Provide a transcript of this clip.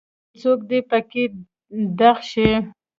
چې څوک دي پکې دغ شي.